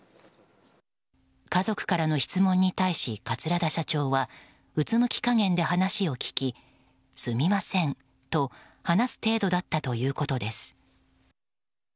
家族からの質問に対し桂田社長はうつむき加減で話を聞きすみませんと話す程度だったということです。